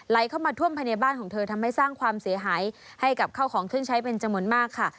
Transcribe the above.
เข้ามาท่วมภายในบ้านของเธอทำให้สร้างความเสียหายให้กับข้าวของเครื่องใช้เป็นจำนวนมากค่ะ